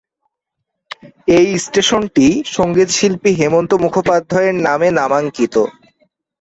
এই স্টেশনটি সঙ্গীতশিল্পী হেমন্ত মুখোপাধ্যায়ের নামে নামাঙ্কিত।